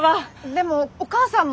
でもお母さんも。